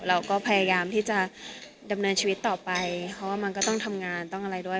เราก็พยายามที่จะดำเนินชีวิตต่อไปเพราะว่ามันก็ต้องทำงานต้องอะไรด้วย